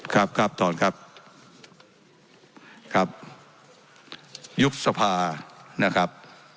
ครับครับถอนครับครับยุบสภานะครับ